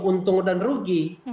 untung dan rugi